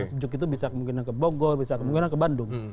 sejuk itu bisa kemungkinan ke bogor bisa kemungkinan ke bandung